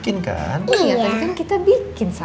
jangan lupa kepalanya